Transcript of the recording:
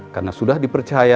karena sudah dipercaya